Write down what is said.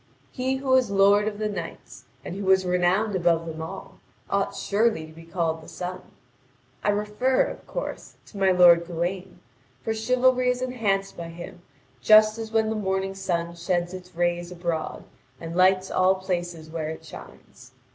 He who was lord of the knights, and who was renowned above them all, ought surely to be called the sun. I refer, of course, to my lord Gawain, for chivalry is enhanced by him just as when the morning sun sheds its rays abroad and lights all places where it shines.